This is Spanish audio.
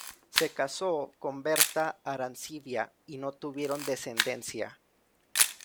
Se casó con Berta Arancibia y no tuvieron descendencia.